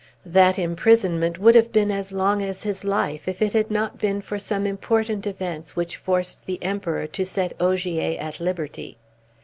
That imprisonment would have been as long as his life if it had not been for some important events which forced the Emperor to set Ogier at liberty.